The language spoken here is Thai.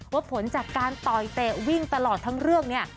ว่าผลจากการต่อยเตะวิ่งตลอดทั้งเรื่องเนี่ย